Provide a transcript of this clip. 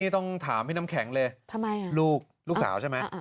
นี่ต้องถามพี่น้ำแข็งเลยทำไมอ่ะลูกลูกสาวใช่ไหมอ่า